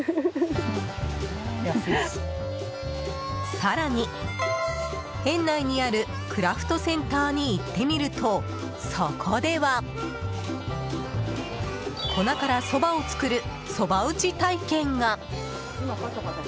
更に、園内にあるクラフトセンターに行ってみるとそこでは粉からそばを作るそば打ち体験が。